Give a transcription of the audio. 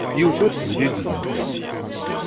Yiwet ur teblil deg-nteɣ.